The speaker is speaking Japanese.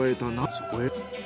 そこへ。